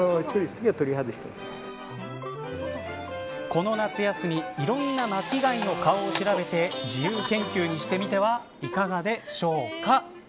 この夏休みいろんな巻き貝の顔を調べて自由研究にしてみてはいかがでしょうか。